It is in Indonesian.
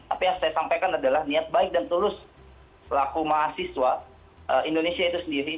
apa yang saya sampaikan adalah niat baik dan tulus laku mahasiswa indonesia itu sendiri